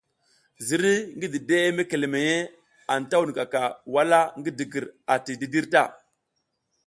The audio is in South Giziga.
Ziriy ngi dideʼe mekeleleya anta wunkaka wala ngi digir ati dǝdǝr ta.